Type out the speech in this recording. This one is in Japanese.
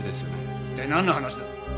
一体なんの話だ？